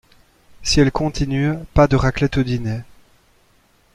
Si elle continue, pas de raclette au dîner.